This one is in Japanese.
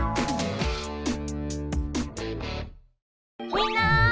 みんな！